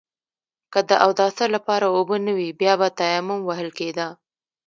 که د اوداسه لپاره اوبه نه وي بيا به تيمم وهل کېده.